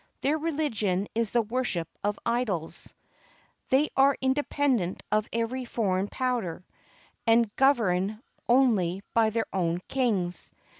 Their religion is the worship of idols. They are independent of every foreign power, and governed only by their own kings.